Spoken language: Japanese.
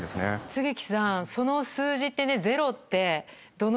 槻木さんその数字ってねゼロって。